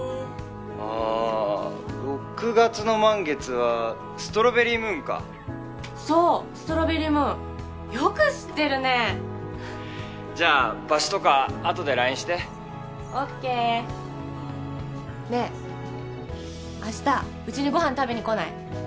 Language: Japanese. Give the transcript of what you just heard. ああ６月の満月はストロベリームーンかそうストロベリームーンよく知ってるねじゃ場所とかあとでＬＩＮＥしてＯＫねえ明日うちにご飯食べにこない？